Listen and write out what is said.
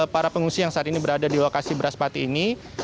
para pengungsi yang saat ini berada di lokasi beras pati ini